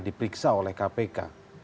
diperiksa oleh kpk